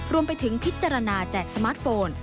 รวมไปถึงพิจารณาแจกสมาร์ทโฟน